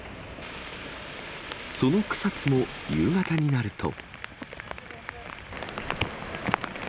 その草津も夕方になると。